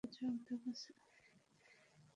তারা দিশি পুতুল, এরা বিলিতি পুতুল।